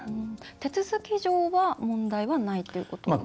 手続き上は問題はないっていうことですか？